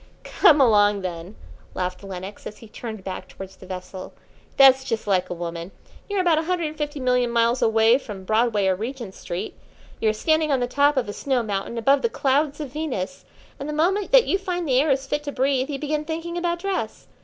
"Come along, then," laughed Lenox, as he turned back towards the vessel. "That's just like a woman. You're about a hundred and fifty million miles away from Broadway or Regent Street. You are standing on the top of a snow mountain above the clouds of Venus, and the moment that you find the air is fit to breathe you begin thinking about dress.